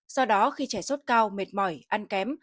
do đó khi trẻ sốt cao mệt mỏi ăn kém